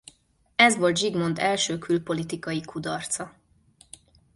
Ez volt Zsigmond első külpolitikai kudarca.